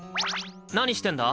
何してんだ？